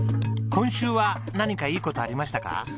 今週は何かいい事ありましたか？